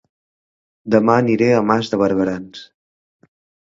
Dema aniré a Mas de Barberans